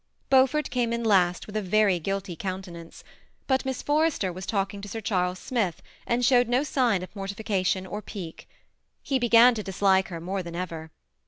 Beaufort came in last, with a very guilty countenance; but Miss Forrester was talking to Sir Charles Smith, and showed no sign of mortification or pique. He began to dislike her more than ever.